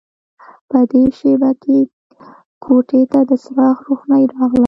په دې شېبه کې کوټې ته د څراغ روښنايي راغله